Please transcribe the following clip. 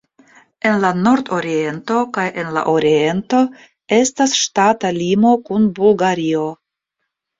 En la nordoriento kaj en la oriento estas ŝtata limo kun Bulgario.